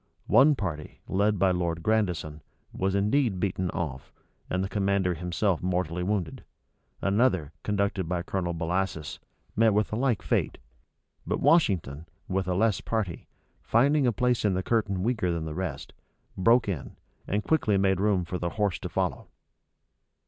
One party, led by Lord Grandison, was indeed beaten off, and the commander himself mortally wounded: another, conducted by Colonel Bellasis, met with a like fate: but Washington, with a less party, finding a place in the curtain weaker than the rest, broke in, and quickly made room for the horse to follow.